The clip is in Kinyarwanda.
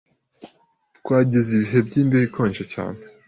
Twagize ibihe by'imbeho ikonje cyane.